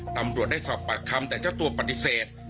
ตำรวจได้สอบปากคำแต่เจ้าตัวปฏิเสธ